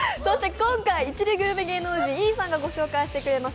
今回、一流グルメ芸能人・Ｅさんがご紹介してくれます